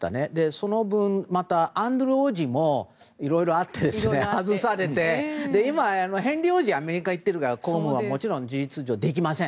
その分、またアンドリュー王子もいろいろあって外されて今、ヘンリー王子はアメリカに行っているから公務はもちろん事実上できません。